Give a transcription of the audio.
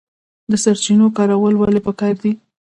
د سرچینو کارول ولې پکار دي؟